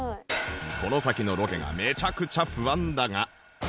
この先のロケがめちゃくちゃ不安だが